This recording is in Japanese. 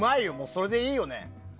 それでいいよね。